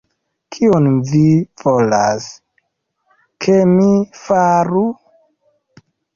Kion vi volas, ke mi faru?